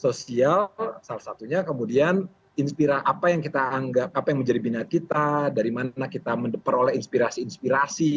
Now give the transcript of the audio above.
sosial salah satunya kemudian inspira apa yang kita anggap apa yang menjadi binat kita dari mana kita memperoleh inspirasi inspirasi